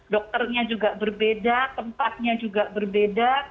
dokternya juga berbeda tempatnya juga berbeda